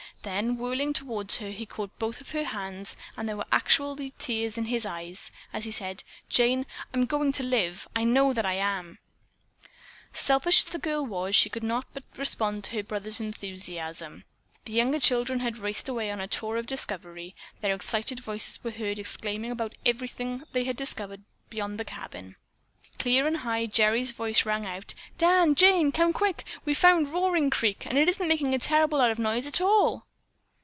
Then, whirling toward her, he caught both of her hands, and there were actually tears in his eyes as he said, "Jane, I'm going to live! I know that I am!" Selfish as the girl was, she could not but respond to her brother's enthusiasm. The younger children had raced away on a tour of discovery. Their excited voices were heard exclaiming about something they had discovered beyond the cabin. Clear and high Gerry's voice rang out: "Dan, Jane, come quick! We've found Roaring Creek, and it isn't making a terrible lot of noise at all."